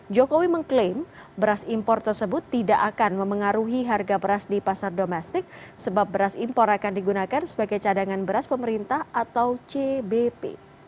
jokowi mengklaim beras impor tersebut tidak akan memengaruhi harga beras di pasar domestik sebab beras impor akan digunakan sebagai cadangan beras pemerintah atau cbp